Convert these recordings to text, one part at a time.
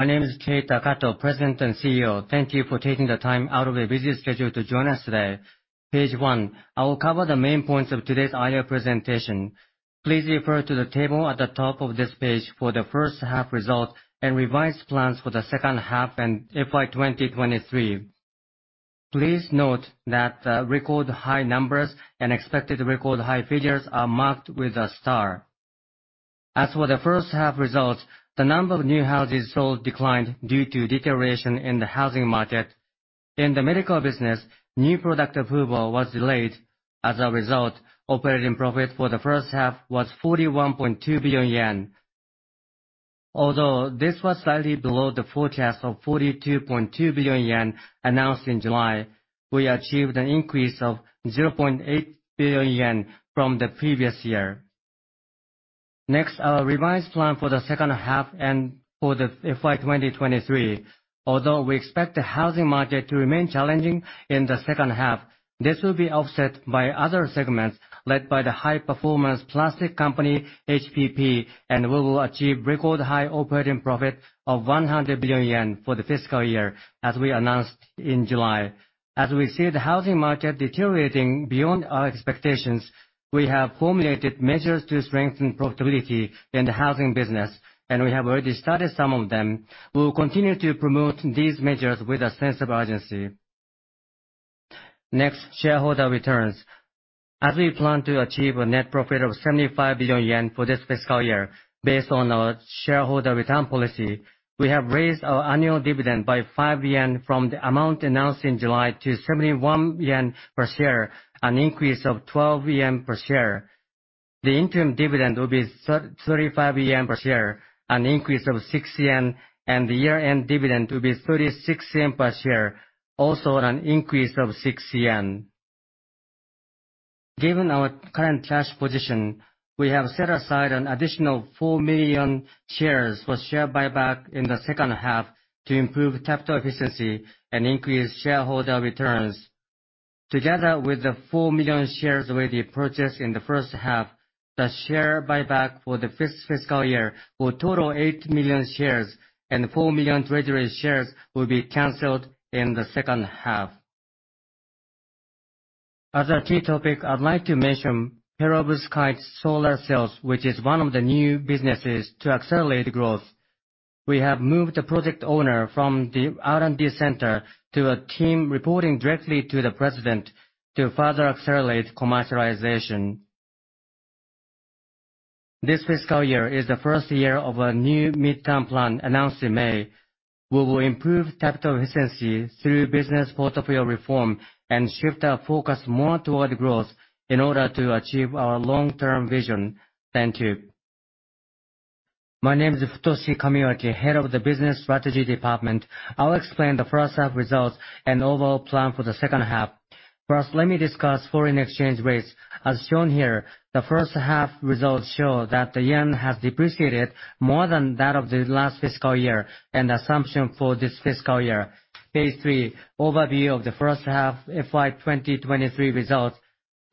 My name is Keita Kato, President and CEO. Thank you for taking the time out of your busy schedule to join us today. Page 1, I will cover the main points of today's IR presentation. Please refer to the table at the top of this page for the first half results, and revised plans for the second half, and FY 2023. Please note that the record high numbers and expected record high figures are marked with a star. As for the first half results, the number of new houses sold declined due to deterioration in the housing market. In the medical business, new product approval was delayed. As a result, operating profit for the first half was ¥41.2 billion. Although this was slightly below the forecast of ¥42.2 billion announced in July, we achieved an increase of ¥0.8 billion from the previous year. Next, our revised plan for the second half and for the FY 2023. Although we expect the housing market to remain challenging in the second half, this will be offset by other segments, led by the High Performance Plastics Company, HPP, and we will achieve record high operating profit of ¥100 billion for the fiscal year, as we announced in July. As we see the housing market deteriorating beyond our expectations, we have formulated measures to strengthen profitability in the housing business, and we have already started some of them. We will continue to promote these measures with a sense of urgency. Next, shareholder returns. As we plan to achieve a net profit of ¥75 billion for this fiscal year, based on our shareholder return policy, we have raised our annual dividend by ¥5 from the amount announced in July to ¥71 per share, an increase of ¥12 per share. The interim dividend will be ¥35 per share, an increase of ¥6, and the year-end dividend will be ¥36 per share, also an increase of ¥6. Given our current cash position, we have set aside an additional 4 million shares for share buyback in the second half to improve capital efficiency and increase shareholder returns. Together with the 4 million shares we already purchased in the first half, the share buyback for this fiscal year will total 8 million shares, and 4 million treasury shares will be canceled in the second half. As a key topic, I'd like to mention perovskite solar cells, which is one of the new businesses to accelerate growth. We have moved the project owner from the R&D center to a team reporting directly to the president to further accelerate commercialization. This fiscal year is the first year of a new midterm plan announced in May. We will improve capital efficiency through business portfolio reform, and shift our focus more toward growth in order to achieve our long-term vision. Thank you. My name is Futoshi Kamiwaki, head of the Business Strategy Department. I'll explain the first half results and overall plan for the second half. First, let me discuss foreign exchange rates. As shown here, the first half results show that the yen has depreciated more than that of the last fiscal year, and assumption for this fiscal year. Page three, overview of the first half FY 2023 results.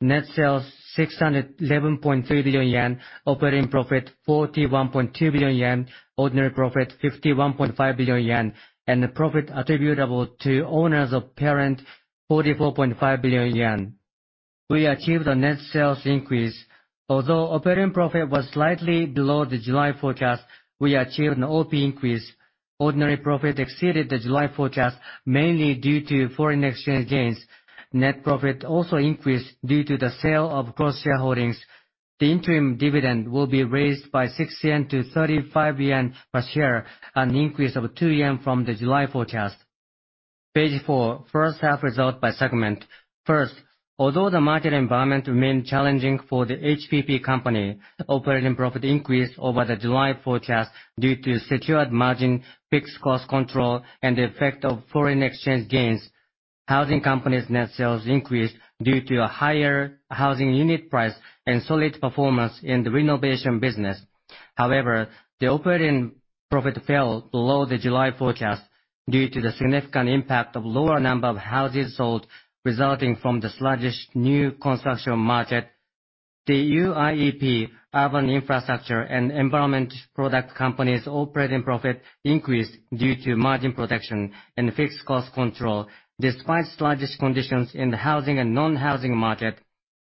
Net sales, ¥6billion. Operating profit, ¥41.2 billion. Ordinary profit, ¥51.5 billion. The profit attributable to owners of parent, ¥44.5 billion. We achieved a net sales increase. Although operating profit was slightly below the July forecast, we achieved an OP increase. Ordinary profit exceeded the July forecast, mainly due to foreign exchange gains. Net profit also increased due to the sale of cross-share holdings. The interim dividend will be raised by ¥6 to ¥35 per share, an increase of ¥2 from the July forecast. Page four, first half results by segment. First, although the market environment remained challenging for the HPP company, operating profit increased over the July forecast due to secured margin, fixed cost control, and the effect of foreign exchange gains. Housing company's net sales increased due to a higher housing unit price and solid performance in the renovation business. However, the operating profit fell below the July forecast due to the significant impact of lower number of houses sold, resulting from the sluggish new construction market. The UIEP, Urban Infrastructure and Environmental Products Company's operating profit increased due to margin protection and fixed cost control, despite sluggish conditions in the housing and non-housing market.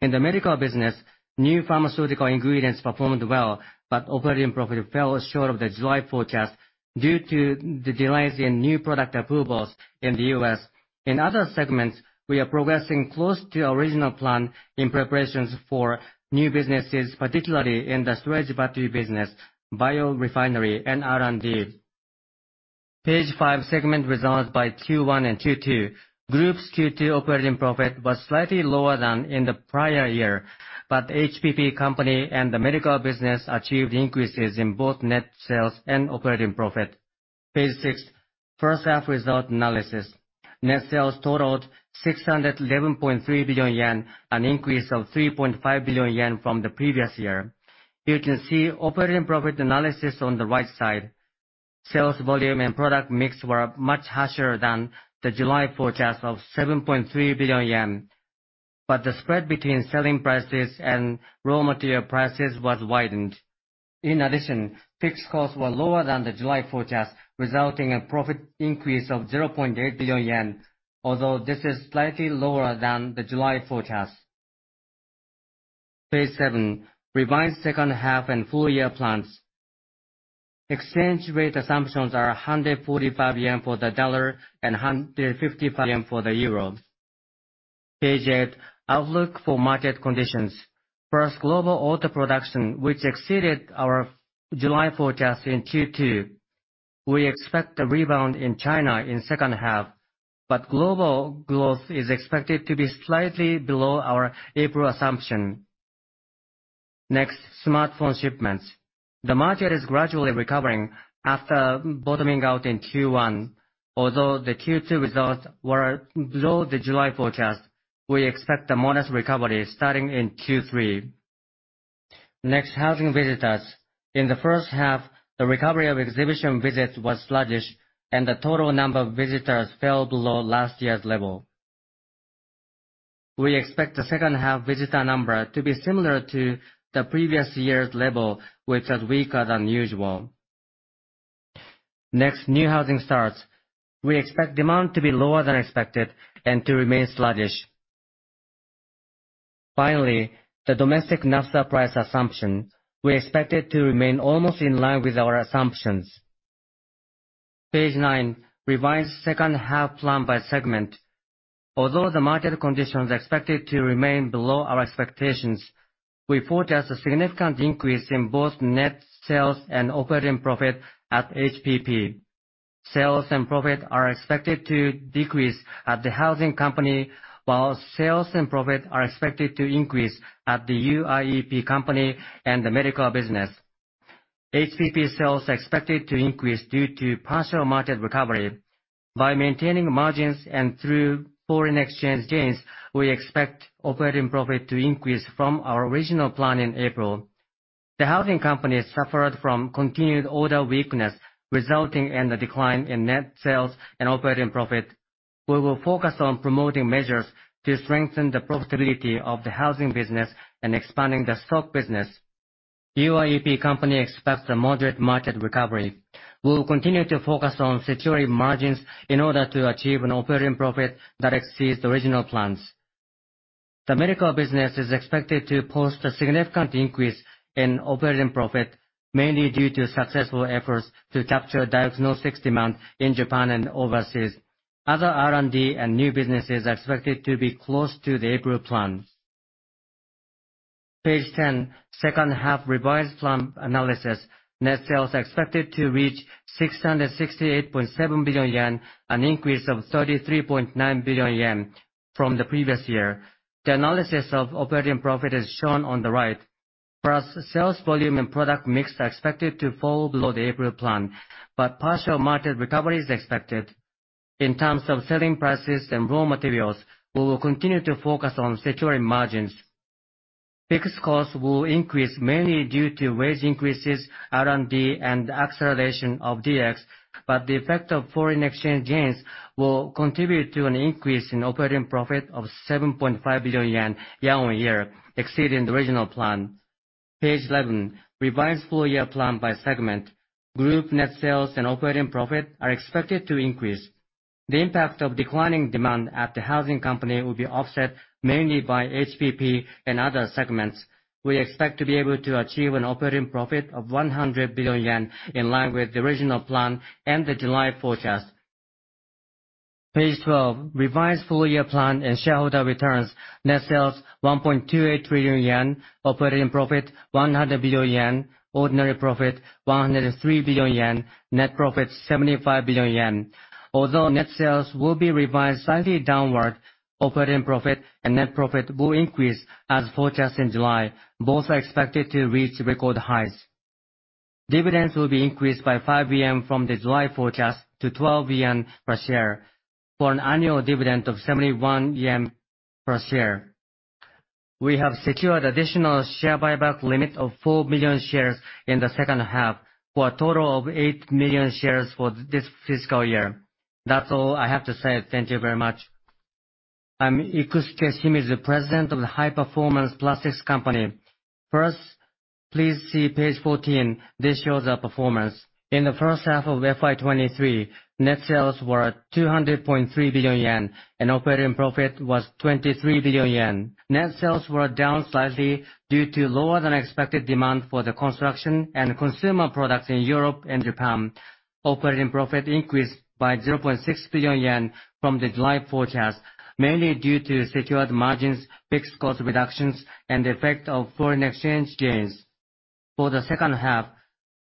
In the medical business, new pharmaceutical ingredients performed well, but operating profit fell short of the July forecast due to the delays in new product approvals in the U.S. In other segments, we are progressing close to our original plan in preparations for new businesses, particularly in the storage battery business, biorefinery, and R&D. Page five, segment results by Q1 and Q2. Group's Q2 operating profit was slightly lower than in the prior year, but HPP company and the medical business achieved increases in both net sales and operating profit. Page six, first half result analysis. Net sales totaled ¥611.3 billion, an increase of ¥3.5 billion from the previous year. You can see operating profit analysis on the right side. Sales volume and product mix were much harsher than the July forecast of ¥7.3 billion, but the spread between selling prices and raw material prices was widened. In addition, fixed costs were lower than the July forecast, resulting in a profit increase of ¥0.8 billion, although this is slightly lower than the July forecast. Page seven, revised second half and full year plans. Exchange rate assumptions are 145 yen for the dollar, and 150 yen for the euro. Page eight, outlook for market conditions. First, global auto production, which exceeded our July forecast in Q2. We expect a rebound in China in second half, but global growth is expected to be slightly below our April assumption. Next, smartphone shipments. The market is gradually recovering after bottoming out in Q1. Although the Q2 results were below the July forecast, we expect a modest recovery starting in Q3. Next, housing visitors. In the first half, the recovery of exhibition visits was sluggish, and the total number of visitors fell below last year's level. We expect the second half visitor number to be similar to the previous year's level, which was weaker than usual. Next, new housing starts. We expect demand to be lower than expected and to remain sluggish. Finally, the domestic naphtha price assumption. We expect it to remain almost in line with our assumptions. Page nine, revised second half plan by segment. Although the market conditions are expected to remain below our expectations, we forecast a significant increase in both net sales and operating profit at HPP. Sales and profit are expected to decrease at the housing company, while sales and profit are expected to increase at the UIEP company and the medical business. HPP sales are expected to increase due to partial market recovery. By maintaining margins and through foreign exchange gains, we expect operating profit to increase from our original plan in April. The housing company suffered from continued order weakness, resulting in the decline in net sales and operating profit. We will focus on promoting measures to strengthen the profitability of the housing business and expanding the stock business. UIEP Company expects a moderate market recovery. We will continue to focus on securing margins in order to achieve an operating profit that exceeds the original plans. The medical business is expected to post a significant increase in operating profit, mainly due to successful efforts to capture diagnostics demand in Japan and overseas. Other R&D and new businesses are expected to be close to the April plans. Page 10, second half revised plan analysis. Net sales are expected to reach ¥668.7 billion, an increase of ¥33.9 billion from the previous year. The analysis of operating profit is shown on the right. Plus, sales volume and product mix are expected to fall below the April plan, but partial market recovery is expected. In terms of selling prices and raw materials, we will continue to focus on securing margins. Fixed costs will increase mainly due to wage increases, R&D, and acceleration of DX, but the effect of foreign exchange gains will contribute to an increase in operating profit of ¥7.5 billion year-on-year, exceeding the original plan. Page 11, revised full-year plan by segment. Group net sales and operating profit are expected to increase. The impact of declining demand at the housing company will be offset mainly by HPP and other segments. We expect to be able to achieve an operating profit of ¥100 billion, in line with the original plan and the July forecast. Page 12, revised full-year plan and shareholder returns. Net sales, ¥1.28 trillion. Operating profit, ¥100 billion. Ordinary profit, ¥103 billion. Net profit, ¥75 billion. Although net sales will be revised slightly downward, operating profit and net profit will increase as forecast in July. Both are expected to reach record highs. Dividends will be increased by ¥5 from the July forecast to ¥12 per share, for an annual dividend of ¥71 per share. We have secured additional share buyback limits of 4 million shares in the second half, for a total of 8 million shares for this fiscal year. That's all I have to say. Thank you very much. I'm Ikusuke Shimizu, President of the High Performance Plastics Company. First, please see page 14. This shows our performance. In the first half of FY 2023, net sales were ¥200.3 billion, and operating profit was ¥23 billion. Net sales were down slightly due to lower than expected demand for the construction and consumer products in Europe and Japan. Operating profit increased by ¥0.6 billion from the July forecast, mainly due to secured margins, fixed cost reductions, and the effect of foreign exchange gains. For the second half,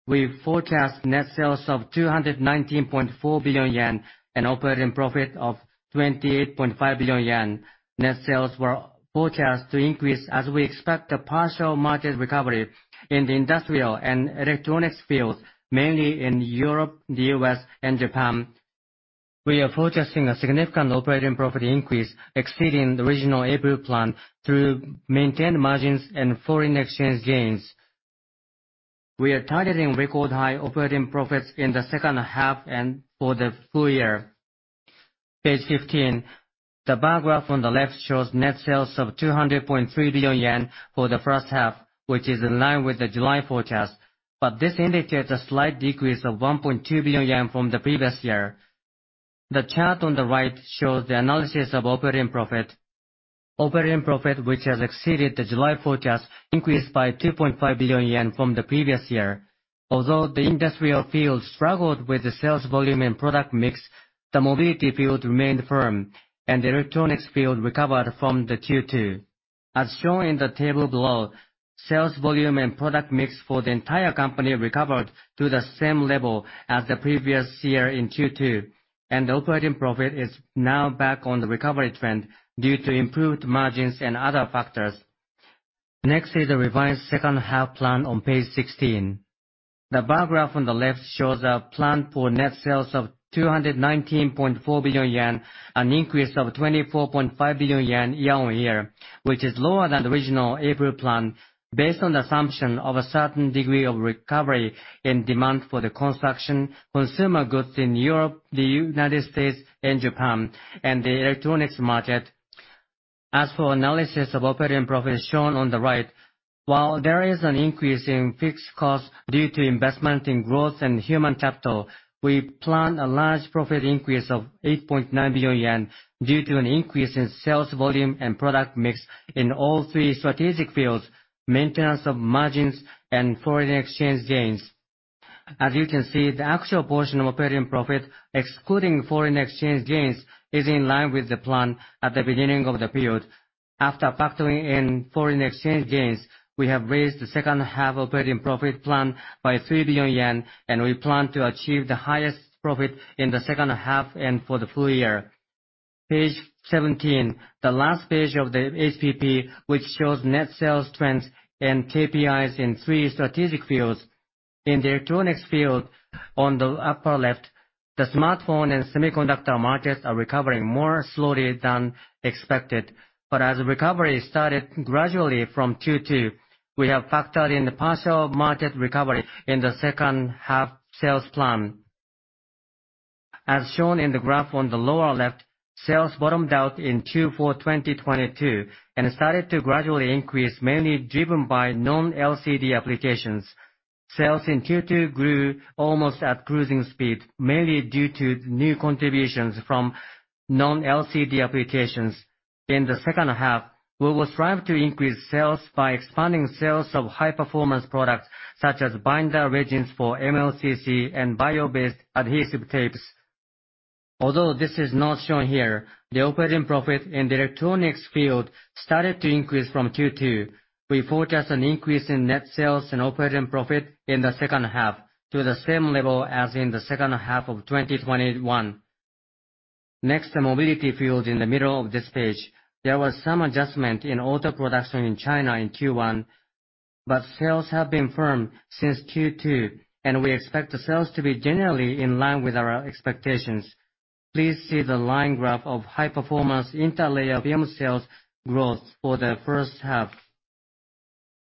we forecast net sales of ¥219.4 billion and operating profit of ¥28.5 billion. Net sales were forecast to increase as we expect a partial market recovery in the industrial and electronics fields, mainly in Europe, the U.S., and Japan. We are forecasting a significant operating profit increase exceeding the original April plan through maintained margins and foreign exchange gains. We are targeting record high operating profits in the second half and for the full year. Page 15, the bar graph on the left shows net sales of ¥200.3 billion for the first half, which is in line with the July forecast, but this indicates a slight decrease of ¥1.2 billion from the previous year. The chart on the right shows the analysis of operating profit. Operating profit, which has exceeded the July forecast, increased by ¥2.5 billion from the previous year. Although the industrial field struggled with the sales volume and product mix, the mobility field remained firm, and the electronics field recovered from the Q2. As shown in the table below, sales volume and product mix for the entire company recovered to the same level as the previous year in Q2, and operating profit is now back on the recovery trend due to improved margins and other factors. Next is the revised second half plan on page 16. The bar graph on the left shows a plan for net sales of ¥219.4 billion, an increase of ¥24.5 billion year-on-year, which is lower than the original April plan, based on the assumption of a certain degree of recovery in demand for the construction, consumer goods in Europe, the United States, and Japan, and the electronics market. As for analysis of operating profit shown on the right, while there is an increase in fixed costs due to investment in growth and human capital, we plan a large profit increase of ¥8.9 billion due to an increase in sales volume and product mix in all three strategic fields, maintenance of margins, and foreign exchange gains. As you can see, the actual portion of operating profit, excluding foreign exchange gains, is in line with the plan at the beginning of the period. After factoring in foreign exchange gains, we have raised the second half operating profit plan by ¥3 billion, and we plan to achieve the highest profit in the second half and for the full year. Page 17, the last page of the HPP, which shows net sales trends and KPIs in three strategic fields. In the electronics field, on the upper left, the smartphone and semiconductor markets are recovering more slowly than expected, but as recovery started gradually from Q2, we have factored in the partial market recovery in the second half sales plan. As shown in the graph on the lower left, sales bottomed out in Q4 2022, and started to gradually increase, mainly driven by non-LCD applications. Sales in Q2 grew almost at cruising speed, mainly due to new contributions from non-LCD applications. In the second half, we will strive to increase sales by expanding sales of high-performance products, such as binder resins for MLCC and bio-based adhesive tapes. Although this is not shown here, the operating profit in the electronics field started to increase from Q2. We forecast an increase in net sales and operating profit in the second half to the same level as in the second half of 2021. Next, the mobility field in the middle of this page. There was some adjustment in auto production in China in Q1, but sales have been firm since Q2, and we expect the sales to be generally in line with our expectations. Please see the line graph of high-performance interlayer film sales growth for the first half.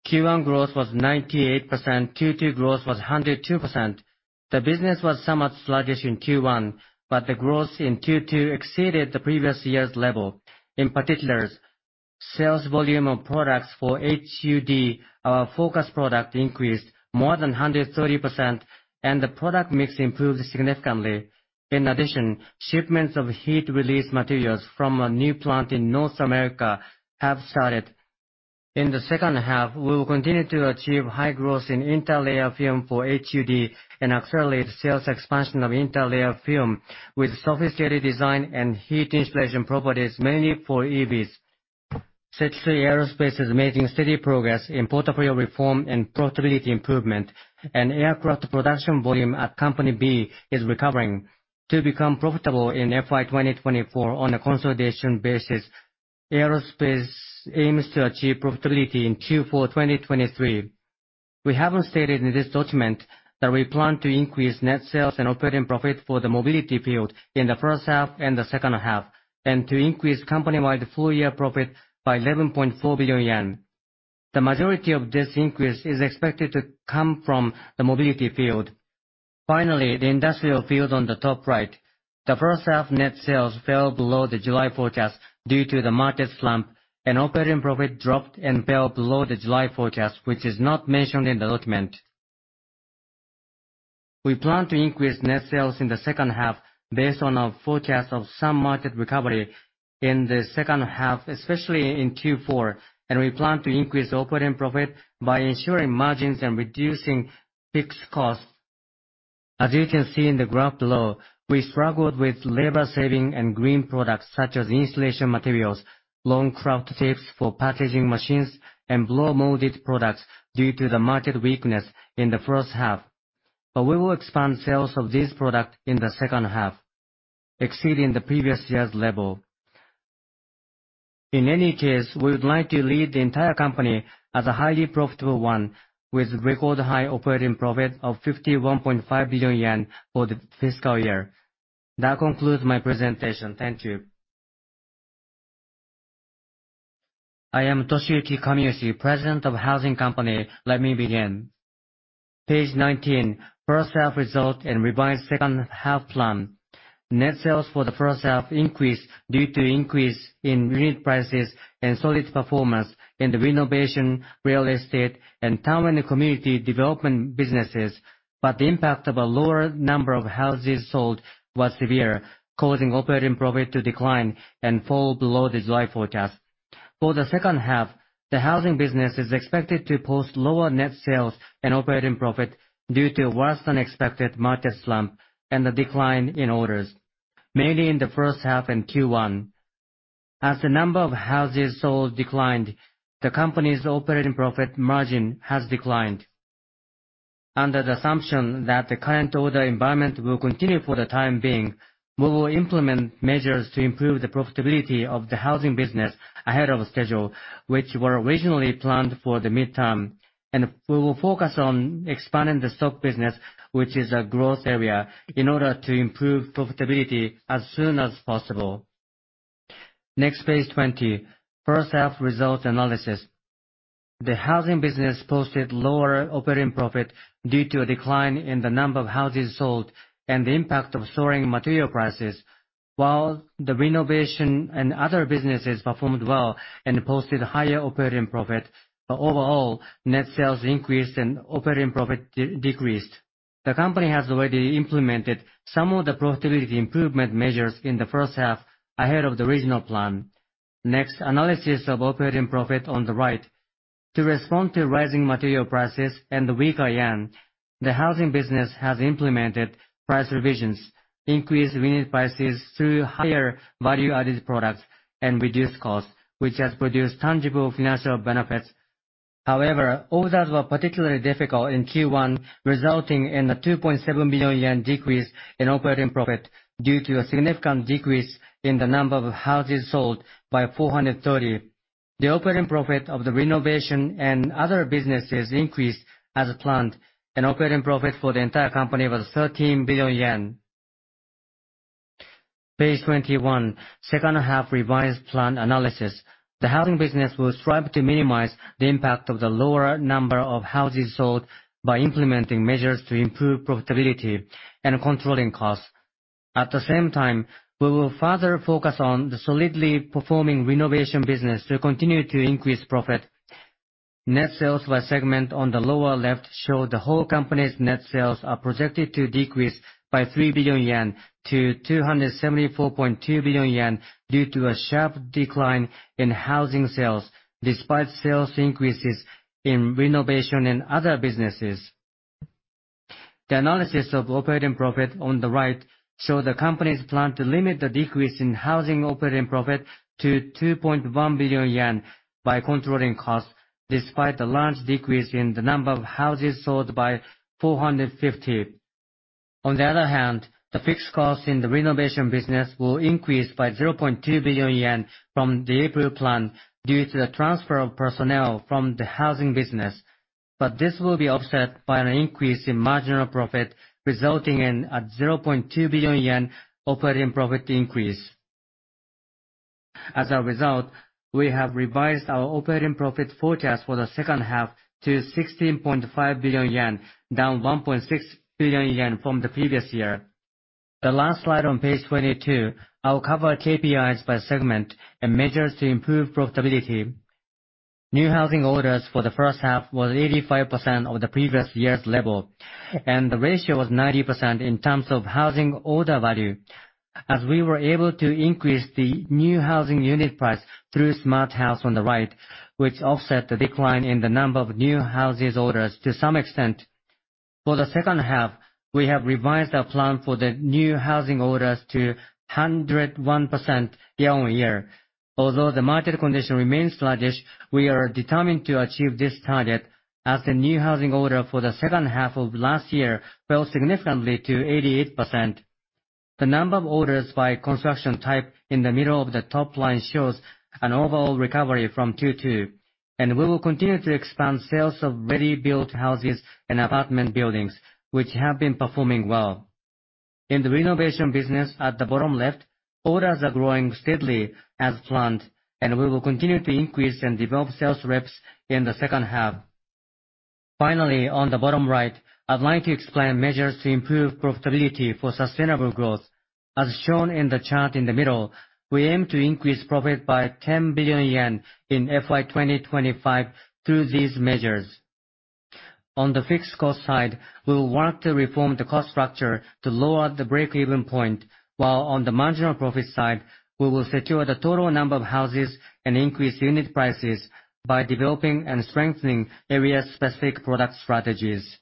Q1 growth was 98%, Q2 growth was 102%. The business was somewhat sluggish in Q1, but the growth in Q2 exceeded the previous year's level. In particular, sales volume of products for HUD, our focus product, increased more than 130%, and the product mix improved significantly. In addition, shipments of heat release materials from a new plant in North America have started. In the second half, we will continue to achieve high growth in interlayer film for HUD and accelerate sales expansion of interlayer film with sophisticated design and heat insulation properties, mainly for EVs. Sekisui Aerospace is making steady progress in portfolio reform and profitability improvement, and aircraft production volume at Company B is recovering. To become profitable in FY 2024 on a consolidation basis, Aerospace aims to achieve profitability in Q4 2023. We haven't stated in this document that we plan to increase net sales and operating profit for the mobility field in the first half and the second half, and to increase company-wide full-year profit by ¥11.4 billion. The majority of this increase is expected to come from the mobility field. Finally, the industrial field on the top right. The first half, net sales fell below the July forecast due to the market slump, and operating profit dropped and fell below the July forecast, which is not mentioned in the document. We plan to increase net sales in the second half based on our forecast of some market recovery in the second half, especially in Q4, and we plan to increase operating profit by ensuring margins and reducing fixed costs. As you can see in the graph below, we struggled with labor-saving and green products, such as insulation materials, long craft tapes for packaging machines, and blow-molded products due to the market weakness in the first half. But we will expand sales of this product in the second half, exceeding the previous year's level. In any case, we would like to lead the entire company as a highly profitable one, with record high operating profit of ¥51.5 billion for the fiscal year. That concludes my presentation. Thank you.... I am Toshiyuki Kamiyoshi, President of the Housing Company. Let me begin. Page 19, first half result and revised second half plan. Net sales for the first half increased due to increase in unit prices and solid performance in the renovation, real estate, and town and community development businesses. But the impact of a lower number of houses sold was severe, causing operating profit to decline and fall below the July forecast. For the second half, the housing business is expected to post lower net sales and operating profit due to a worse-than-expected market slump and a decline in orders, mainly in the first half in Q1. As the number of houses sold declined, the company's operating profit margin has declined. Under the assumption that the current order environment will continue for the time being, we will implement measures to improve the profitability of the housing business ahead of schedule, which were originally planned for the midterm. We will focus on expanding the stock business, which is a growth area, in order to improve profitability as soon as possible. Next, page 20, first half results analysis. The housing business posted lower operating profit due to a decline in the number of houses sold and the impact of soaring material prices, while the renovation and other businesses performed well and posted higher operating profit. Overall, net sales increased and operating profit decreased. The company has already implemented some of the profitability improvement measures in the first half ahead of the original plan. Next, analysis of operating profit on the right. To respond to rising material prices and the weaker yen, the housing business has implemented price revisions, increased unit prices through higher value-added products, and reduced costs, which has produced tangible financial benefits. However, orders were particularly difficult in Q1, resulting in a ¥2.7 billion decrease in operating profit due to a significant decrease in the number of houses sold by 430. The operating profit of the renovation and other businesses increased as planned, and operating profit for the entire company was ¥13 billion. Page 21, second half revised plan analysis. The housing business will strive to minimize the impact of the lower number of houses sold by implementing measures to improve profitability and controlling costs. At the same time, we will further focus on the solidly performing renovation business to continue to increase profit. Net sales by segment on the lower left show the whole company's net sales are projected to decrease by ¥3 billion to ¥274.2 billion due to a sharp decline in housing sales, despite sales increases in renovation and other businesses. The analysis of operating profit on the right show the company's plan to limit the decrease in housing operating profit to ¥2.1 billion by controlling costs, despite the large decrease in the number of houses sold by 450. On the other hand, the fixed costs in the renovation business will increase by ¥0.2 billion from the April plan due to the transfer of personnel from the housing business. But this will be offset by an increase in marginal profit, resulting in a ¥0.2 billion operating profit increase. As a result, we have revised our operating profit forecast for the second half to ¥16.5 billion, down ¥1.6 billion from the previous year. The last slide on page 22, I'll cover KPIs by segment and measures to improve profitability. New housing orders for the first half was 85% of the previous year's level, and the ratio was 90% in terms of housing order value, as we were able to increase the new housing unit price through Smart House on the right, which offset the decline in the number of new houses orders to some extent. For the second half, we have revised our plan for the new housing orders to 101% year-over-year. Although the market condition remains sluggish, we are determined to achieve this target, as the new housing order for the second half of last year fell significantly to 88%. The number of orders by construction type in the middle of the top line shows an overall recovery from Q2, and we will continue to expand sales of ready-built houses and apartment buildings, which have been performing well. In the renovation business at the bottom left, orders are growing steadily as planned, and we will continue to increase and develop sales reps in the second half. Finally, on the bottom right, I'd like to explain measures to improve profitability for sustainable growth. As shown in the chart in the middle, we aim to increase profit by ¥10 billion in FY 2025 through these measures. On the fixed cost side, we will work to reform the cost structure to lower the break-even point, while on the marginal profit side, we will secure the total number of houses and increase unit prices by developing and strengthening area-specific product strategies.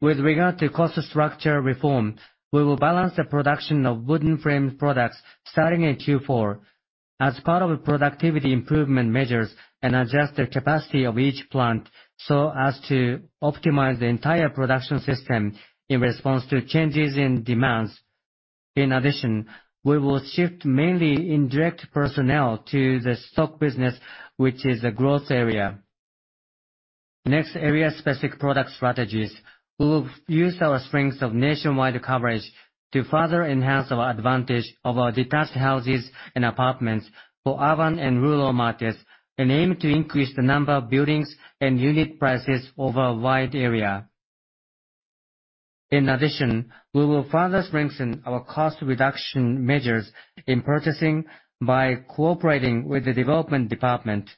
With regard to cost structure reform, we will balance the production of wooden framed products starting in Q4 as part of a productivity improvement measures, and adjust the capacity of each plant so as to optimize the entire production system in response to changes in demands. In addition, we will shift mainly indirect personnel to the stock business, which is a growth area.... Next, area-specific product strategies. We will use our strengths of nationwide coverage to further enhance our advantage of our detached houses and apartments for urban and rural markets, and aim to increase the number of buildings and unit prices over a wide area. In addition, we will further strengthen our cost reduction measures in purchasing by cooperating with the development department.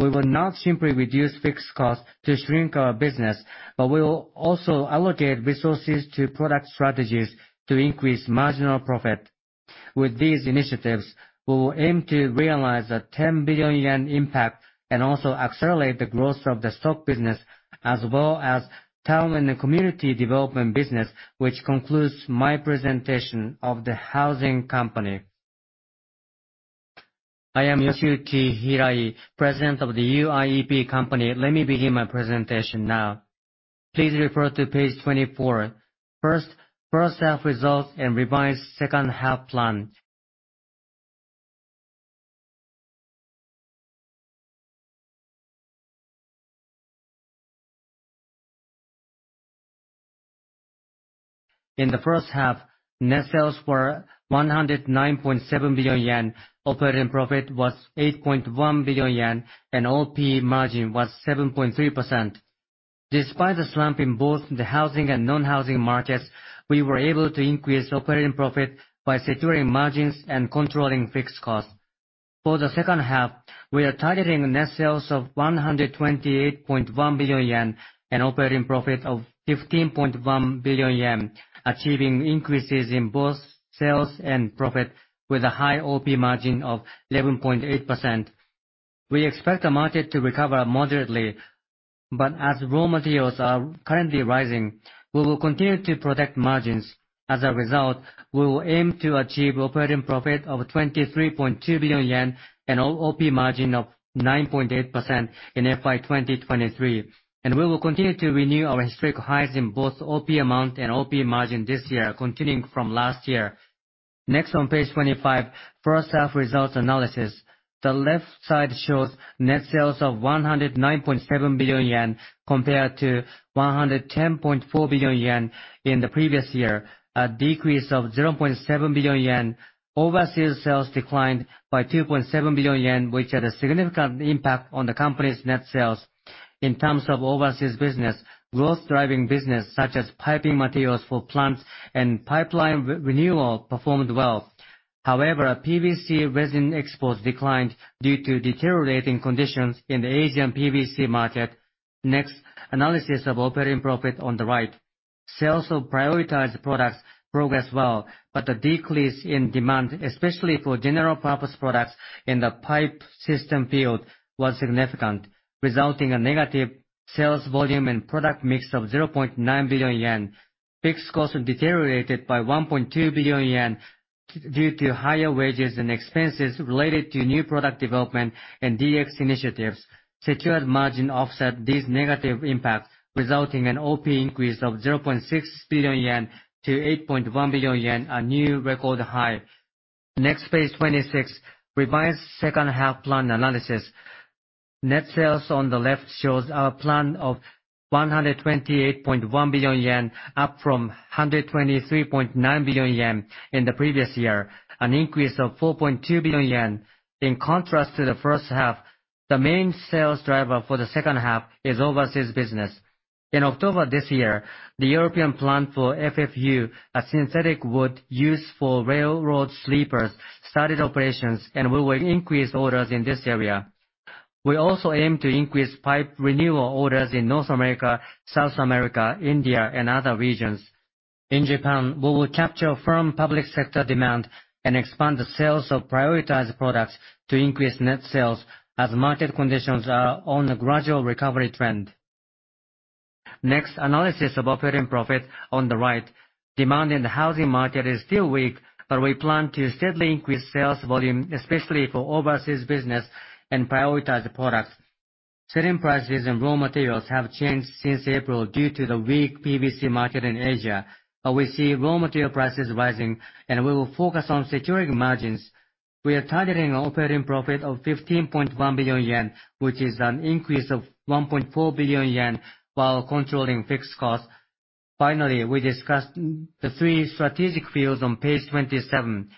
We will not simply reduce fixed costs to shrink our business, but we will also allocate resources to product strategies to increase marginal profit. With these initiatives, we will aim to realize a ¥10 billion impact, and also accelerate the growth of the stock business, as well as town and community development business, which concludes my presentation of the housing company. I am Yoshiyuki Hirai, President of the UIEP Company. Let me begin my presentation now. Please refer to page 24. First, first half results and revised second half plan. In the first half, net sales were ¥109.7 billion, operating profit was ¥8.1 billion, and OP margin was 7.3%. Despite the slump in both the housing and non-housing markets, we were able to increase operating profit by securing margins and controlling fixed costs. For the second half, we are targeting net sales of ¥128.1 billion, and operating profit of ¥15.1 billion, achieving increases in both sales and profit with a high OP margin of 11.8%. We expect the market to recover moderately, but as raw materials are currently rising, we will continue to protect margins. As a result, we will aim to achieve operating profit of ¥23.2 billion and OP margin of 9.8% in FY 2023. And we will continue to renew our historic highs in both OP amount and OP margin this year, continuing from last year. Next, on page 25, first half results analysis. The left side shows net sales of ¥109.7 billion, compared to ¥110.4 billion in the previous year, a decrease of ¥0.7 billion. Overseas sales declined by ¥2.7 billion, which had a significant impact on the company's net sales. In terms of overseas business, growth-driving business, such as piping materials for plants and pipeline renewal, performed well. However, PVC resin exports declined due to deteriorating conditions in the Asian PVC market. Next, analysis of operating profit on the right. Sales of prioritized products progressed well, but the decrease in demand, especially for general purpose products in the pipe system field, was significant, resulting in negative sales volume and product mix of ¥0.9 billion. Fixed costs deteriorated by ¥1.2 billion due to higher wages and expenses related to new product development and DX initiatives. Secured margin offset these negative impacts, resulting in an OP increase of ¥0.6 billion to ¥8.1 billion, a new record high. Next, page 26, revised second half plan analysis. Net sales on the left shows our plan of ¥128.1 billion, up from ¥123.9 billion in the previous year, an increase of ¥4.2 billion. In contrast to the first half, the main sales driver for the second half is overseas business. In October this year, the European plant for FFU, a synthetic wood used for railroad sleepers, started operations, and we will increase orders in this area. We also aim to increase pipe renewal orders in North America, South America, India, and other regions. In Japan, we will capture firm public sector demand and expand the sales of prioritized products to increase net sales as market conditions are on a gradual recovery trend. Next, analysis of operating profit on the right. Demand in the housing market is still weak, but we plan to steadily increase sales volume, especially for overseas business and prioritized products. Selling prices and raw materials have changed since April due to the weak PVC market in Asia, but we see raw material prices rising, and we will focus on securing margins. We are targeting an operating profit of ¥15.1 billion, which is an increase of ¥1.4 billion while controlling fixed costs. Finally, we discussed the three strategic fields on page 27.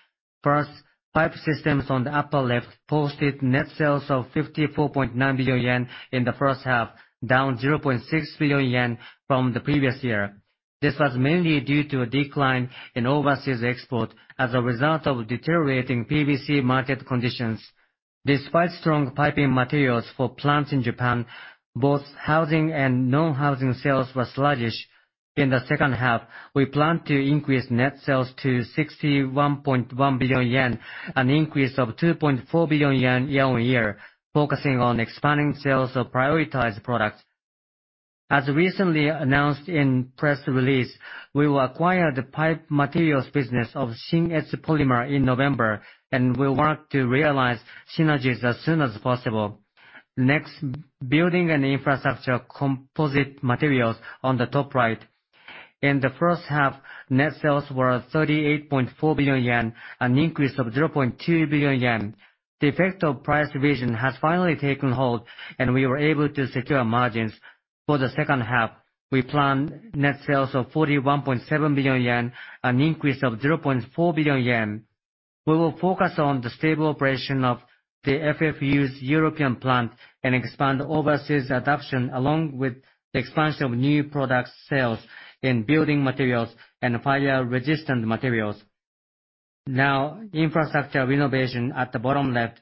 First, pipe systems on the upper left posted net sales of ¥54.9 billion in the first half, down ¥0.6 billion from the previous year. This was mainly due to a decline in overseas export as a result of deteriorating PVC market conditions. Despite strong piping materials for plants in Japan, both housing and non-housing sales were sluggish. In the second half, we plan to increase net sales to ¥61.1 billion, an increase of ¥2.4 billion year-on-year, focusing on expanding sales of prioritized products. As recently announced in press release, we will acquire the pipe materials business of Shin-Etsu Polymer in November, and we work to realize synergies as soon as possible. Next, building and infrastructure composite materials on the top right.... In the first half, net sales were ¥38.4 billion, an increase of ¥0.2 billion. The effect of price revision has finally taken hold, and we were able to secure margins. For the second half, we plan net sales of ¥41.7 billion, an increase of ¥0.4 billion. We will focus on the stable operation of the FFU's European plant and expand overseas adoption, along with the expansion of new product sales in building materials and fire-resistant materials. Now, infrastructure renovation at the bottom left.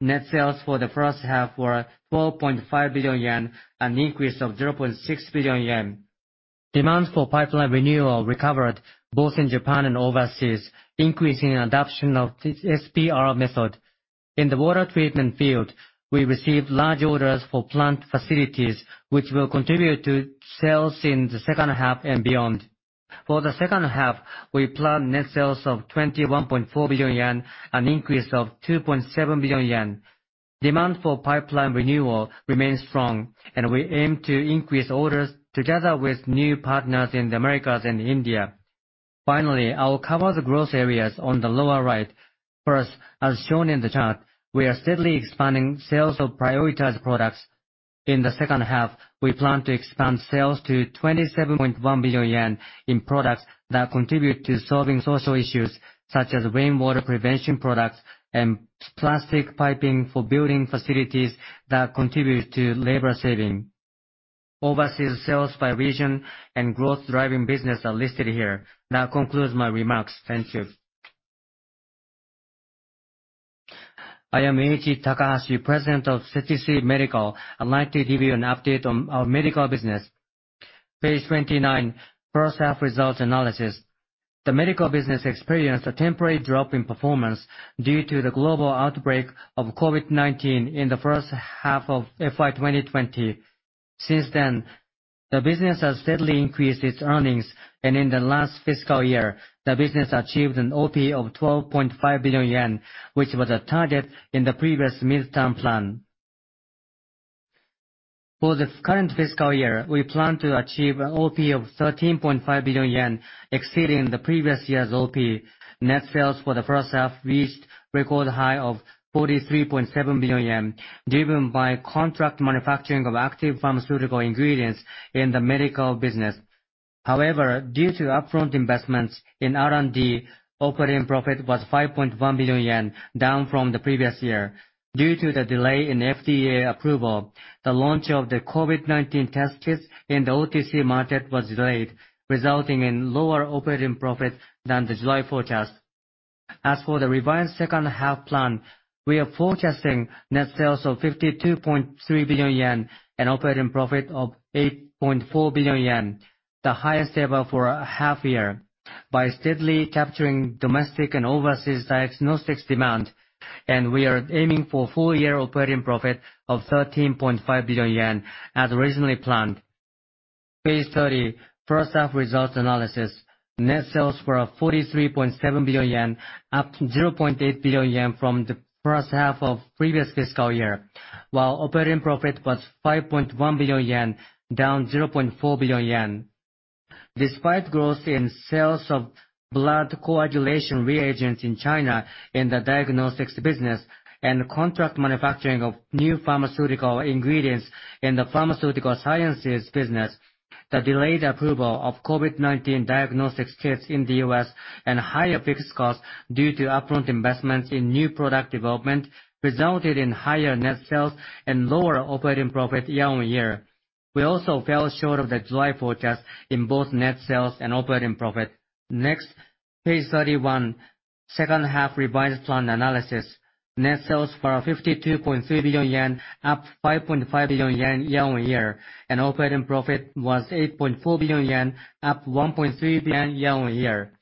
Net sales for the first half were ¥12.5 billion, an increase of ¥0.6 billion. Demand for pipeline renewal recovered both in Japan and overseas, increasing adoption of the SPR method. In the water treatment field, we received large orders for plant facilities, which will contribute to sales in the second half and beyond. For the second half, we plan net sales of ¥21.4 billion, an increase of ¥2.7 billion. Demand for pipeline renewal remains strong, and we aim to increase orders together with new partners in the Americas and India. Finally, I will cover the growth areas on the lower right. First, as shown in the chart, we are steadily expanding sales of prioritized products. In the second half, we plan to expand sales to ¥27.1 billion in products that contribute to solving social issues, such as rainwater prevention products and plastic piping for building facilities that contribute to labor saving. Overseas sales by region and growth-driving business are listed here. That concludes my remarks. Thank you. I am Eiichi Takahashi, President of Sekisui Medical. I'd like to give you an update on our medical business. Page 29, first half results analysis. The medical business experienced a temporary drop in performance due to the global outbreak of COVID-19 in the first half of FY 2020. Since then, the business has steadily increased its earnings, and in the last fiscal year, the business achieved an OP of ¥12.5 billion, which was a target in the previous midterm plan. For the current fiscal year, we plan to achieve an OP of ¥13.5 billion, exceeding the previous year's OP. Net sales for the first half reached record high of ¥43.7 billion, driven by contract manufacturing of active pharmaceutical ingredients in the medical business. However, due to upfront investments in R&D, operating profit was ¥5.1 billion, down from the previous year. Due to the delay in FDA approval, the launch of the COVID-19 test kits in the OTC market was delayed, resulting in lower operating profit than the July forecast. As for the revised second half plan, we are forecasting net sales of ¥52.3 billion, an operating profit of ¥8.4 billion, the highest ever for a half year, by steadily capturing domestic and overseas diagnostics demand. We are aiming for full-year operating profit of ¥13.5 billion, as originally planned. Page 30, first half results analysis. Net sales were ¥43.7 billion, up ¥0.8 billion from the first half of previous fiscal year, while operating profit was ¥5.1 billion, down ¥0.4 billion. Despite growth in sales of blood coagulation reagents in China, in the diagnostics business and contract manufacturing of new pharmaceutical ingredients in the pharmaceutical sciences business, the delayed approval of COVID-19 diagnostics kits in the U.S. and higher fixed costs due to upfront investments in new product development, resulted in higher net sales and lower operating profit year-on-year. We also fell short of the July forecast in both net sales and operating profit. Next, page 31, second half revised plan analysis. Net sales were ¥52.3 billion, up ¥5.5 billion year-on-year, and operating profit was ¥8.4 billion, up ¥1.3 billion year-on-year.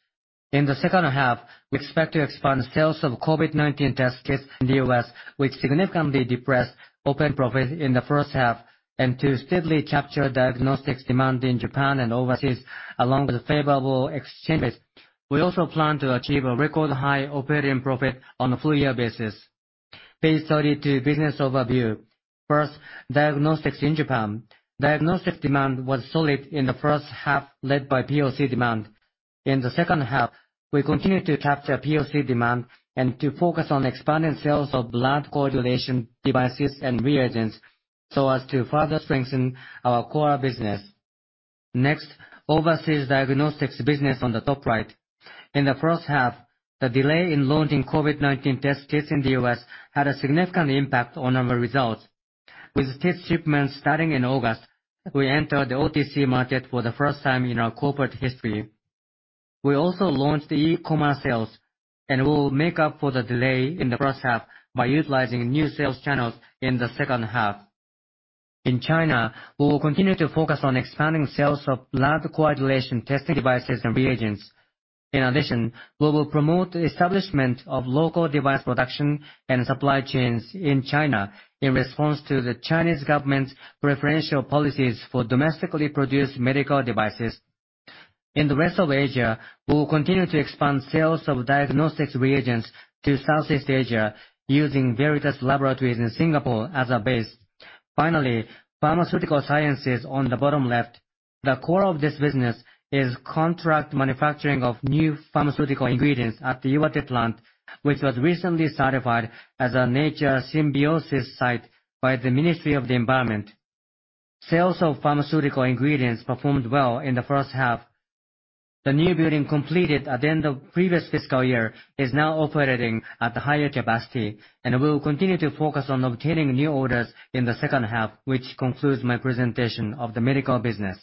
In the second half, we expect to expand sales of COVID-19 test kits in the U.S., which significantly depressed operating profit in the first half, and to steadily capture diagnostics demand in Japan and overseas, along with favorable exchange rates. We also plan to achieve a record high operating profit on a full year basis. Page 32, business overview. First, diagnostics in Japan. Diagnostics demand was solid in the first half, led by POC demand. In the second half, we continued to capture POC demand and to focus on expanding sales of blood coagulation devices and reagents, so as to further strengthen our core business. Next, overseas diagnostics business on the top right. In the first half, the delay in launching COVID-19 test kits in the U.S. had a significant impact on our results. With test shipments starting in August, we entered the OTC market for the first time in our corporate history. We also launched e-commerce sales, and we will make up for the delay in the first half by utilizing new sales channels in the second half. In China, we will continue to focus on expanding sales of blood coagulation testing devices and reagents. In addition, we will promote the establishment of local device production and supply chains in China in response to the Chinese government's preferential policies for domestically produced medical devices. In the rest of Asia, we will continue to expand sales of diagnostics reagents to Southeast Asia, using Veredus Laboratories in Singapore as a base. Finally, pharmaceutical sciences on the bottom left. The core of this business is contract manufacturing of new pharmaceutical ingredients at the Iwate plant, which was recently certified as a Nature Symbiosis site by the Ministry of the Environment. Sales of pharmaceutical ingredients performed well in the first half. The new building, completed at the end of previous fiscal year, is now operating at a higher capacity, and we will continue to focus on obtaining new orders in the second half, which concludes my presentation of the medical business.